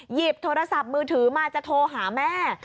หยิบโทรศัพท์มือถือมาจะโทรหาแม่